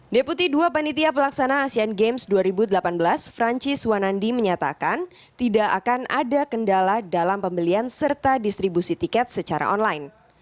deputi dua panitia pelaksana asean games dua ribu delapan belas francis wanandi menyatakan tidak akan ada kendala dalam pembelian serta distribusi tiket secara online